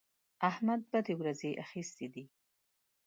احمد بدې ورځې اخيستی دی.